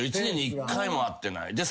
１年に１回も会ってない。